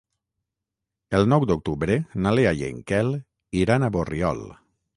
El nou d'octubre na Lea i en Quel iran a Borriol.